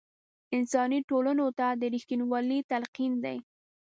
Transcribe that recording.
انساني ټولنو ته د رښتینوالۍ تلقین دی.